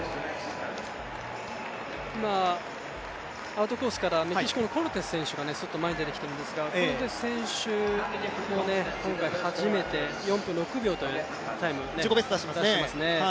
アウトコースからメキシコのコルテス選手がすっと前に出てきているんですがこれで初めて４分６秒という自己ベストのタイムを出していますね。